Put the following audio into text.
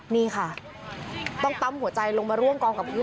นี่ค่ะต้องปั๊มหัวใจลงมาร่วมกองกับพื้น